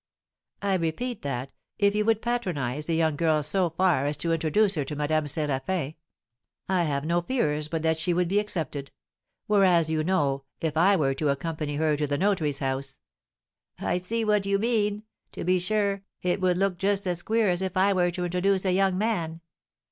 "I repeat that, if you would patronise the young girl so far as to introduce her to Madame Séraphin, I have no fears but that she would be accepted; whereas, you know, if I were to accompany her to the notary's house " "I see what you mean; to be sure, it would look just as queer as if I were to introduce a young man.